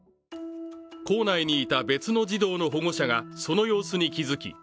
校内にいた別の児童の保護者がその様子に気付き